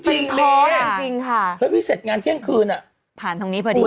คอจริงค่ะพี่เสร็จงานเที่ยงคืนผ่านตรงนี้พอดี